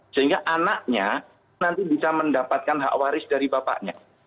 sehingga anaknya nanti bisa mendapatkan hak waris dari bapaknya